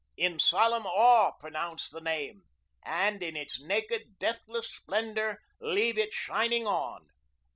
In solemn awe pronounce the name, and in its naked, deathless splendor leave it shining on."